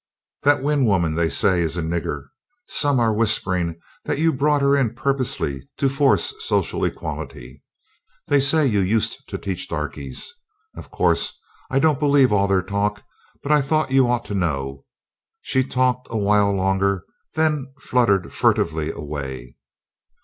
"That Wynn woman they say is a nigger. Some are whispering that you brought her in purposely to force social equality. They say you used to teach darkies. Of course, I don't believe all their talk, but I thought you ought to know." She talked a while longer, then fluttered furtively away.